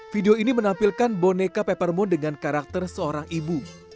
video ini menampilkan boneka peppermoon dengan karakter seorang ibu